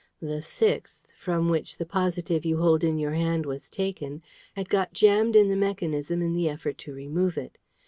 The sixth, from which the positive you hold in your hand was taken, had got jammed in the mechanism in the effort to remove it.